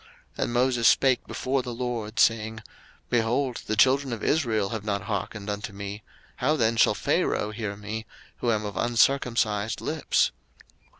02:006:012 And Moses spake before the LORD, saying, Behold, the children of Israel have not hearkened unto me; how then shall Pharaoh hear me, who am of uncircumcised lips?